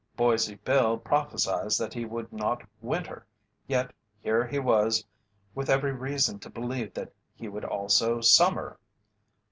Boise Bill had prophesied that he would not "winter" yet here he was with every reason to believe that he would also "summer."